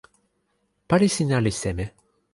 pali sina li seme?